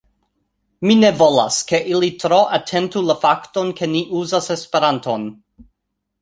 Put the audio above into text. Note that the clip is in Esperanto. Ni ne volas, ke ili tro atentu la fakton, ke ni uzas Esperanton